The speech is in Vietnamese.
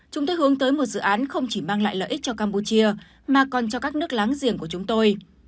chúng tôi hướng tới một dự án không chỉ mang lại lợi ích cho campuchia mà còn cho các nước láng giềng của chúng tôi